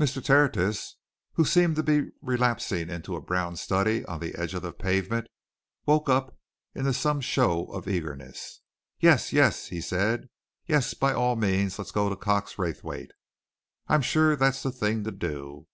Mr. Tertius, who had seemed to be relapsing into a brown study on the edge of the pavement, woke up into some show of eagerness. "Yes, yes!" he said. "Yes, by all means let us go to Cox Raythwaite. I'm sure that's the thing to do.